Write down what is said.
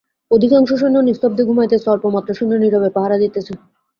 অধিকাংশ সৈন্য নিস্তব্ধে ঘুমাইতেছে, অল্পমাত্র সৈন্য নীরবে পাহারা দিতেছে।